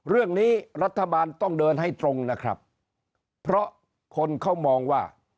เรื่องนี้รัฐบาลต้องเดินให้ตรงนะครับเพราะคนเขามองว่า